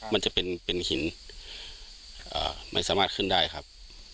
มันจะเป็นหินไม่สามารถขึ้นได้ครับ